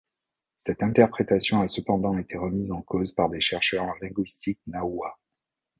Cette interprétation a cependant été remise en cause par des chercheurs en linguistique nahua.